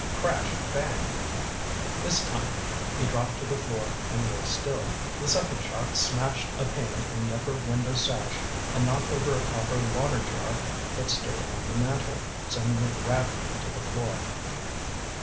Crash! Bang! This time he dropped to the floor and lay still. The second shot smashed a pane in the upper window sash and knocked over a copper water jar that stood on the mantel, sending it rattling to the floor.